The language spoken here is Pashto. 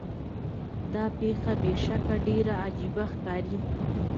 دا پیښه بې شکه ډیره عجیبه ښکاري.